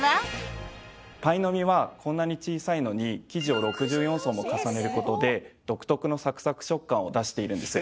パイの実はこんなに小さいのに生地を６４層も重ねる事で独特のサクサク食感を出しているんです。